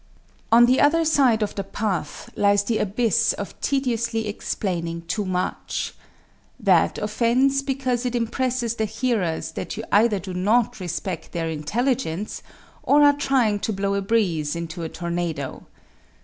On the other side of the path lies the abyss of tediously explaining too much. That offends because it impresses the hearers that you either do not respect their intelligence or are trying to blow a breeze into a tornado.